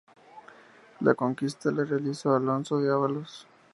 La conquista la realizó Alonso de Avalos.